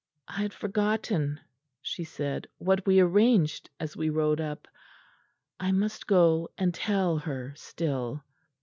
"I had forgotten," she said, "what we arranged as we rode up. I must go and tell her still."